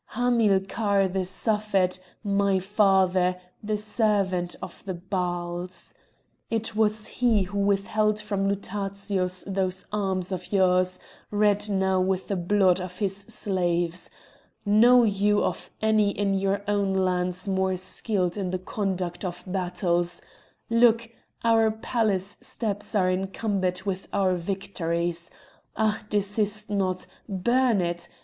Hamilcar the Suffet, my father, the servant of the Baals! It was he who withheld from Lutatius those arms of yours, red now with the blood of his slaves! Know you of any in your own lands more skilled in the conduct of battles? Look! our palace steps are encumbered with our victories! Ah! desist not! burn it!